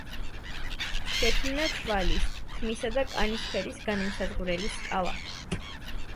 შექმნა თვალის, თმისა და კანის ფერის განმსაზღვრელი სკალა.